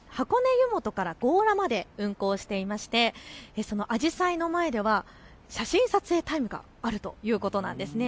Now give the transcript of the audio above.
湯本から強羅まで運行していましてあじさいの前では写真撮影タイムがあるということなんです。